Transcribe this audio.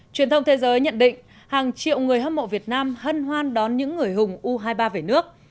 truyền thông thế giới nhận định hàng triệu người hâm mộ việt nam hân hoan đón những người hùng u hai mươi ba về nước